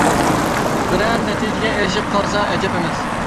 بىرەر نەتىجىگە ئېرىشىپ قالساق ئەجەب ئەمەس.